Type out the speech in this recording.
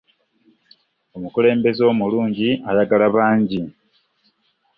omukulembeze omulungi ayagalwa bbangi